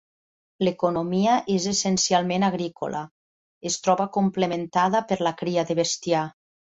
L'economia és essencialment agrícola; es troba complementada per la cria de bestiar.